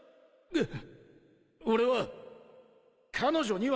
うっ。